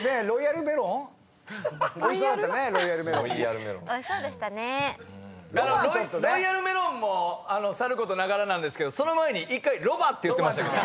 「ロイヤルメロン」もさることながらなんですけどその前に１回「ロバ」って言ってました。